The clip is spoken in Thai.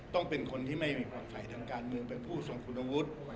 ต้องเป็นคนที่ไม่มีความฝ่ายทางการเมืองเป็นผู้ทรงคุณวุฒิ